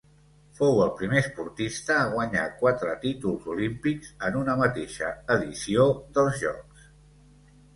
Fou el primer esportista a guanyar quatre títols olímpics en una mateixa edició dels Jocs.